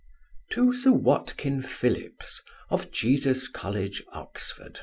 To Sir WATKIN PHILLIPS, of Jesus college, Oxon.